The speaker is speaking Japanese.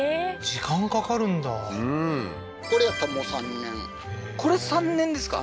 時間かかるんだこれやったらもう３年これ３年ですか？